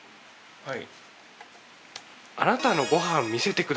はい。